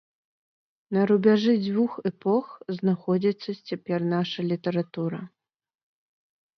На рубяжы дзвюх эпох знаходзіцца цяпер наша літаратура.